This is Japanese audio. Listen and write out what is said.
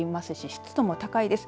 湿度も高いです。